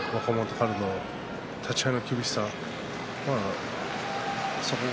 春の立ち合いの厳しさ